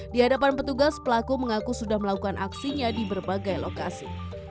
di hadapan petugas pelaku mengaku sudah melakukan aksinya di berbagai lokasi